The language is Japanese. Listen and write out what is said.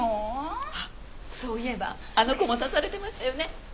そういえばあの子も刺されてましたよね。